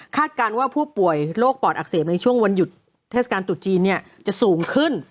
การว่าผู้ป่วยโรคปอดอักเสบในช่วงวันหยุดเทศกาลตรุษจีนจะสูงขึ้น